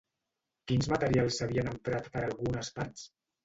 Quins materials s'havien emprat per a algunes parts?